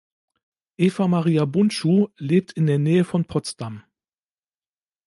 Eva-Maria Bundschuh lebt in der Nähe von Potsdam.